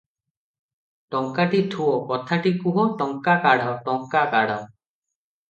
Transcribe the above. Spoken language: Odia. ଟଙ୍କାଟି ଥୁଅ, କଥାଟି କୁହ, ଟଙ୍କା କାଢ଼, ଟଙ୍କା କାଢ଼ ।